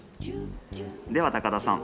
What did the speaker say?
では高田さん